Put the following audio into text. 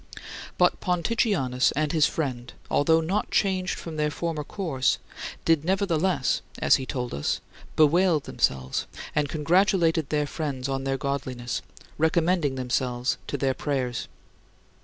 But Ponticianus and his friend, although not changed from their former course, did nevertheless (as he told us) bewail themselves and congratulated their friends on their godliness, recommending themselves to their prayers.